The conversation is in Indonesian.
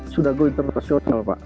sudah go international pak